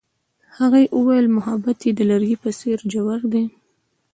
هغې وویل محبت یې د لرګی په څېر ژور دی.